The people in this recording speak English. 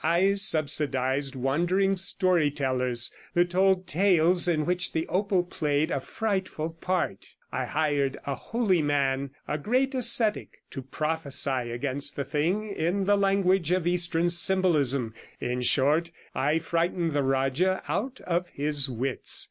I subsidized wandering storytellers, who told tales in which the opal played a frightful part; I hired a holy man — a great ascetic to prophesy against the thing in the language of Eastern symbolism; in short, I frightened the Rajah out of his wits.